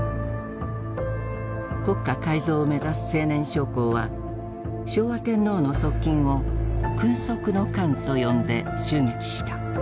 国家改造を目指す青年将校は昭和天皇の側近を「君側の奸」と呼んで襲撃した。